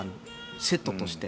セットとして。